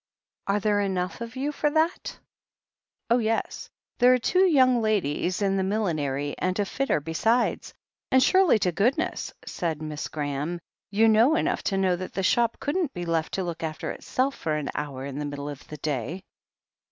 'Are there enough of you for that?" 'Oh, yes. There are two yotmg ladies in the millin ery, and a fitter besides. And surely to goodness," said Miss Graham, "you know enough to know that the shop couldn't be left to look after itself for an hour in the middle of the day."